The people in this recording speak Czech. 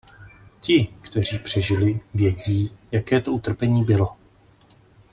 Ti, kteří přežili, vědí, jaké to utrpení bylo.